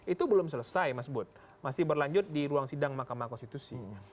itu belum selesai mas bud masih berlanjut di ruang sidang mahkamah konstitusi